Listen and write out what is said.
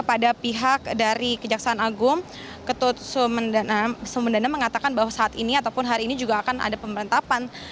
pada pihak dari kejaksaan agung ketut sumendana mengatakan bahwa saat ini ataupun hari ini juga akan ada pemerintahan